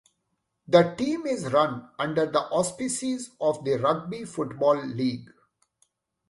The team is run under the auspices of the Rugby Football League.